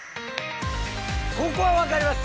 ここはわかります